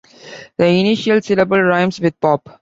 The initial syllable rhymes with "pop".